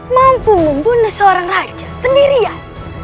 mampu membunuh seorang raja sendirian